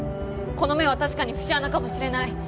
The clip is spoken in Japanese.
この目は確かに節穴かもしれない。